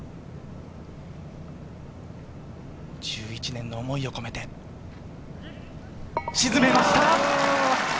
１１年の思いを込めて、沈めました！